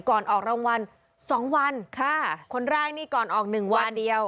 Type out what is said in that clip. ออกรางวัลสองวันค่ะคนแรกนี่ก่อนออกหนึ่งวันเดียว